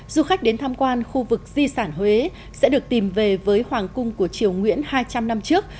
du khách đến tham quan khu vực di sản huế sẽ được tìm về với hoàng cung của triều nguyễn hai trăm linh năm trước